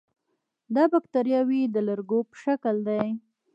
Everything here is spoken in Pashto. دا باکتریاوې د لرګو په شکل دي.